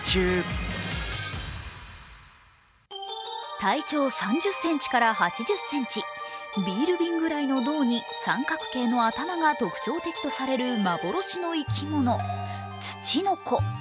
体長３０ｃｍから８０ｃｍ、ビール瓶ぐらいの胴に三角形の頭が特徴的とされる幻の生き物、ツチノコ。